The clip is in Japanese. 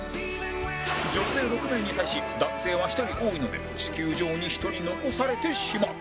女性６名に対し男性は１人多いので地球上に１人残されてしまう